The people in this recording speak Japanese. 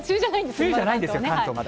梅雨じゃないんですよ、関東、まだ。